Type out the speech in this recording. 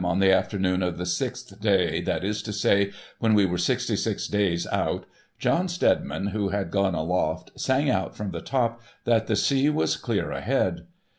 on tlie afternoon of the sixth day, that is to say, when we were sixty six days out, John Steadiman who had gone aloft, sang out from the top, that the sea was clear ahead.